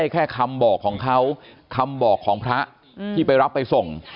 แค่คำบอกของเขาคำบอกของพระที่ไปรับไปส่ง